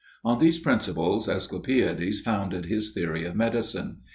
On these principles, Asclepiades founded his theory of medicine.